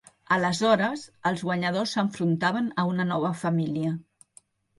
Aleshores, els guanyadors s'enfrontaven a una nova família.